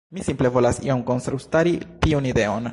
Mi simple volas iom kontraŭstari tiun ideon.